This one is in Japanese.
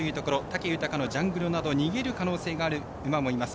武豊のジャングロなど逃げる可能性がある馬もいます。